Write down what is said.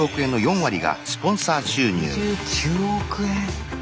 ６９億円！